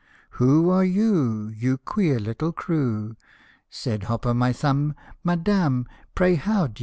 " Who are you, you queer little crew ?" Said Hop o' my Thumb, " Madam, pray how d' ye do